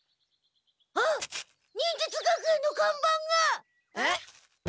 あっ忍術学園のかんばんが！えっ？